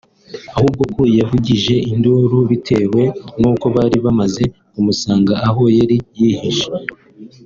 ahubwo ko yavugije induru bitewe n’uko bari bamaze kumusanga aho yari yihishe